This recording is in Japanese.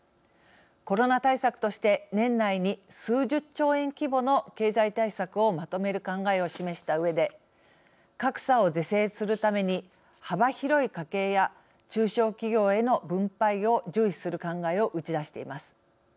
コロナ対策として年内に数十兆円規模の経済対策をまとめる考えを示したうえで格差を是正するために幅広い家計や中小企業への分配を重視する考えを打ち出しています。